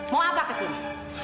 mau apa kesini